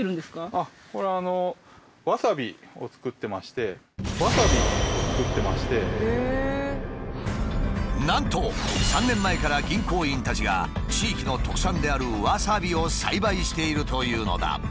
あっこれはあのなんと３年前から銀行員たちが地域の特産であるわさびを栽培しているというのだ。